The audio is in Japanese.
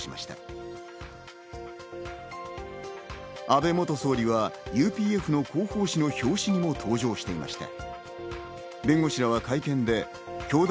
安倍元総理はＵＰＦの広報誌の表紙にも登場していました。